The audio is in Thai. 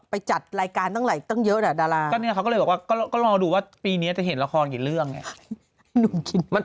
ไปเล่นละครนี้เท่าเรื่องนี้